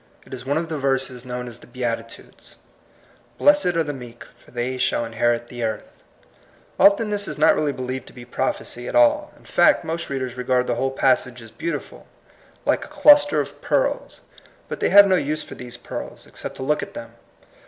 It is one of the verses known as the Beatitudes, '* Blessed are the meek : for they shall inherit the earth." Often this is not really believed to be prophecy at all. In fact, most readers re gard the whole passage as beautiful, like a cluster of pearls ; but they have no use for these pearls, except to look at them.